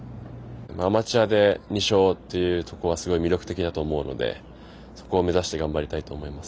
アマチュアで２勝というところはすごく魅力的だと思うのでそこを目指して頑張りたいと思います。